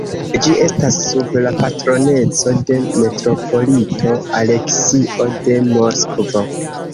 Ĝi estas sub la patroneco de metropolito Aleksio de Moskvo.